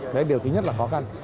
đấy điều thứ nhất là khó khăn